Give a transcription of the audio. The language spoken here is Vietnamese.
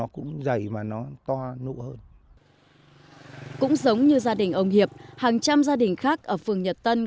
cũng giống như gia đình ông hiệp hàng trăm gia đình khác ở phường nhật tân